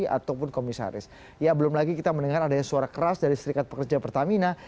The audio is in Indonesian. ataupun komisaris ya belum lagi kita mendengar adanya suara keras dari serikat pekerja pertamina